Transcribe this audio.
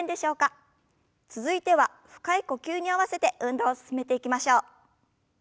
続いては深い呼吸に合わせて運動を進めていきましょう。